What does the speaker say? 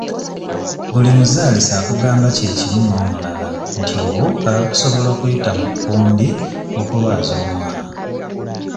Buli muzaalisa akugamba kye kimu n'omulala nti obuwuka busobola okuyita mu kundi okulwaza omwana.